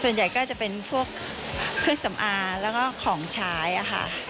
ส่วนใหญ่ก็จะเป็นพวกเครื่องสำอางแล้วก็ของใช้ค่ะ